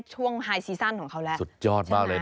สวัสดีครับ